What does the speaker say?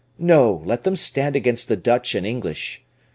No, let them stand against the Dutch and English.